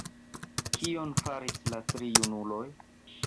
Kion faris la tri junuloj?